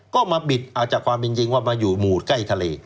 ก็มาบิดเอาจากความเป็นจริงว่ามาอยู่หมู่ใกล้ทะเล